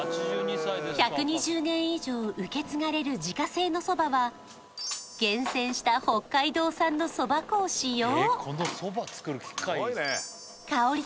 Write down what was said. １２０年以上受け継がれる自家製のそばは厳選した北海道産のそば粉を使用香り